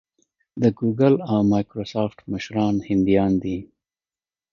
د ګوګل او مایکروسافټ مشران هندیان دي.